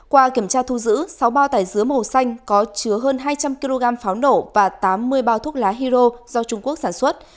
qua kiểm tra thu giữ sáu bao tải dứa màu xanh có chứa hơn hai trăm linh kg pháo nổ và tám mươi bao thuốc lá hero do trung quốc sản xuất